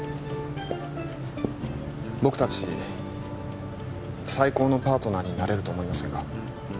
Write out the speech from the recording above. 僕達最高のパートナーになれると思いませんか？